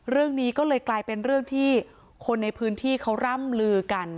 เรื่องนี้ก็เลยกลายเป็นเรื่องที่คนในพื้นที่เขาร่ำลือกัน